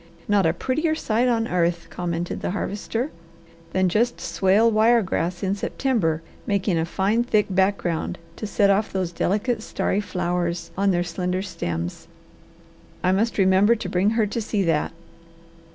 "Not a prettier sight on earth," commented the Harvester, "than just swale wire grass in September making a fine, thick background to set off those delicate starry flowers on their slender stems. I must remember to bring her to see that."